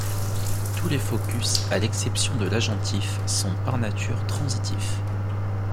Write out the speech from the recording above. Tous les focus, à l'exception de l'agentif, sont par nature transitifs.